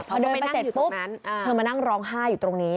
พอเดินมาเสร็จปุ๊บเธอมานั่งร้องไห้อยู่ตรงนี้